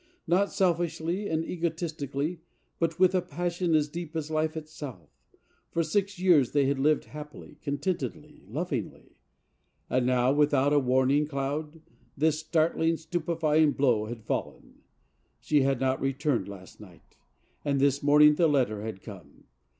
Not selfishly and egotistically, but with a passion as deep as life itself. For six years they had lived happily, contentedly, lovingly; and now, without a warning cloud, this startling, stupefying blow had fallen. She had not returned last night, and this morning the letter had come.